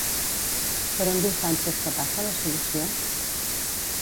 Per on diu Sánchez que passa la solució?